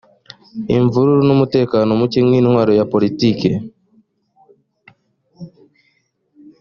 imvururu n umutekano muke nk intwaro ya poritiki